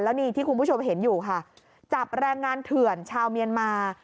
แล้วนี่ที่คุณผู้ชมเห็นอยู่ค่ะจับแรงงานเถื่อนชาวเมียนมา